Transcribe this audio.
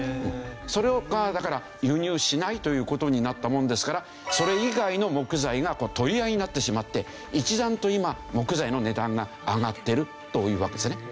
それをだから輸入しないという事になったもんですからそれ以外の木材が取り合いになってしまって一段と今木材の値段が上がってるというわけですね。